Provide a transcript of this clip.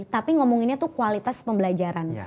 tapi ngomonginnya tuh kualitas pembelajaran